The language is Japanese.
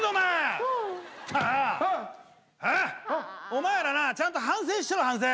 お前らなちゃんと反省してろ反省。